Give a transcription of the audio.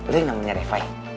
lu yang namanya refai